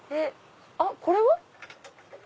あっこれは？